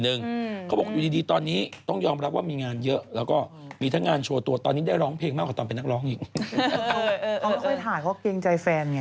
เพื่อไม่ดูของผู้บริหารอย่างดีแต่ปั้นจากเขาเกรงเจอ